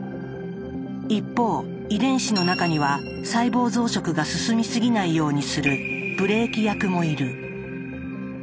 一方遺伝子の中には細胞増殖が進みすぎないようにするブレーキ役もいる。